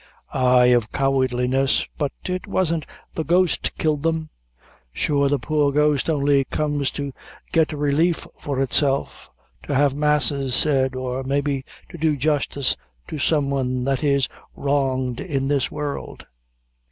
"Ay, of cowardliness; but it wasn't the ghost killed them. Sure the poor ghost only comes to get relief for itself to have masses said; or, maybe, to do justice to some one that is wronged in this world.